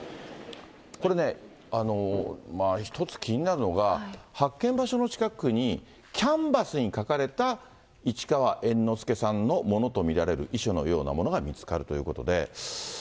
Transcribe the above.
これね、一つ気になるのが、発見場所の近くに、キャンバスに書かれた市川猿之助さんのものと見られる遺書のようなものが見つかるということで。